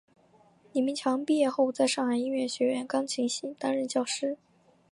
李名强毕业后在上海音乐学院钢琴系担任教师。